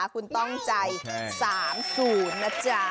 คุณต้องใจ๓๐นะจ๊ะ